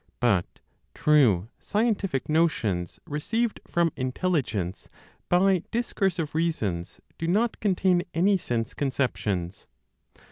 But true scientific notions received from intelligence by discursive reasons do not contain any sense conceptions.